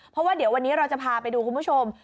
เพราะว่าเดี๋ยววันนี้เราจะพาไปดูคุณผู้ชม